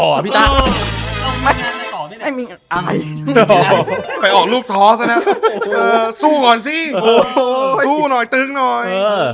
ไม่มีงานต่อด้วยนะไปออกรูปท้อซ่ะนะสู้ก่อนสิสู้หน่อยตึ๊กหน่อย